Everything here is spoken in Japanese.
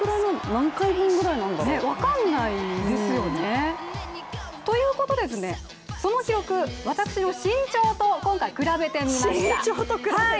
何回分くらいなのかな。分からないですよね、ということで、その記録、私の身長と今回比べてみました。